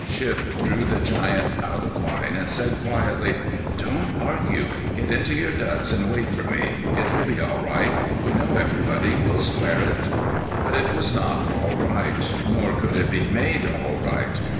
Shipp drew the giant out of line and said, quietly: "Don't argue. Get into your duds and wait for me. It will be all right. We know everybody; we'll square it." But it was not all right. Nor could it be made all right.